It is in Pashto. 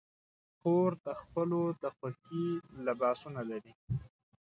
خور د خپلو د خوښې لباسونه لري.